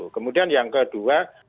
kemudian yang kedua